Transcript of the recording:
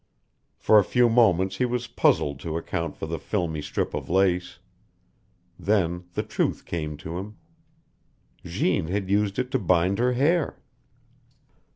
For a few moments he was puzzled to account for the filmy strip of lace. Then the truth came to him. Jeanne had used it to bind her hair!